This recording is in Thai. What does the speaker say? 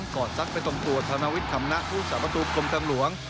อดซักไปตรงตัวธนวิทย์คำนะผู้สาประตูกรมทางหลวง